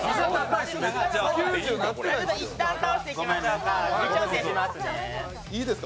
いったん倒していきましょうか。